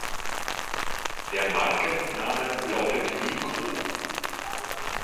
Der Markenname lautet "Micro".